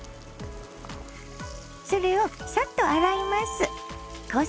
それをサッと洗います。